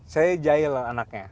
saya jahil lah anaknya